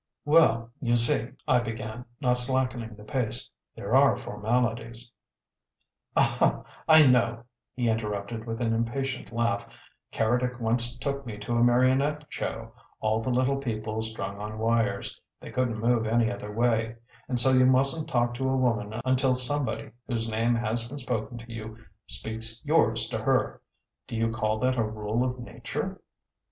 "Well, you see," I began, not slackening the pace "there are formalities " "Ah, I know," he interrupted, with an impatient laugh. "Keredec once took me to a marionette show all the little people strung on wires; they couldn't move any other way. And so you mustn't talk to a woman until somebody whose name has been spoken to you speaks yours to her! Do you call that a rule of nature?"